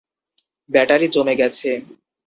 Battery জমে গেছে।